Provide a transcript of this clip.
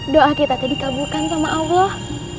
doa kita tadi kaburkan sama allah